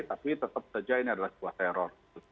tapi tetap saja ini adalah sebuah teror